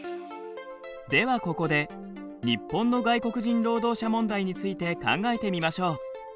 ではここで日本の外国人労働者問題について考えてみましょう。